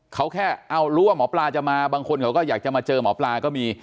เขาแค่เอารู้ว่าหมอปลาจะมาบางคนเขาก็อยากจะมาเจอหมอปลาก็มี